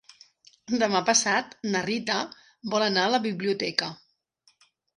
Demà passat na Rita vol anar a la biblioteca.